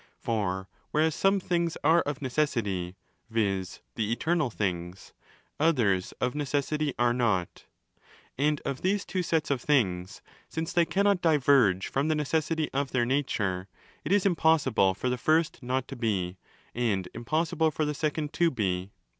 (For whereas some things are of necessity, viz. the eternal things, others of necessity 35 are not. And of these two sets of things, since they cannot 335° diverge from the necessity of their nature, it is impossible for the first zo¢ to be and impossible for the second Zo de.